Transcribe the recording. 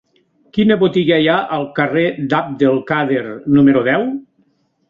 Quina botiga hi ha al carrer d'Abd el-Kader número deu?